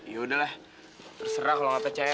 ya udahlah terserah kalau nggak percaya